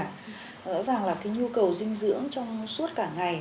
rõ ràng là cái nhu cầu dinh dưỡng trong suốt cả ngày